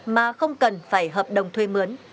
mà không cần phải hợp đồng thuê mướn